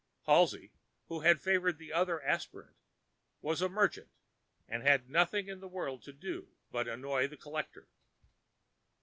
Halsey, who had favoured the other aspirant, was a merchant, and had nothing in the world to do but annoy the collector.